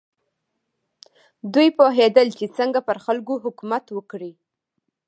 دوی پوهېدل چې څنګه پر خلکو حکومت وکړي.